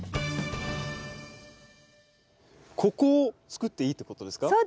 ここをつくっていいってことですか？